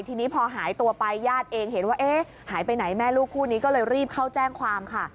ทีนี้พอหายตัวไปญาติเองเห็นว่าเอ๊ะหายไปไหนแม่ลูกคู่นี้ก็เลยรีบเข้าแจ้งความค่ะ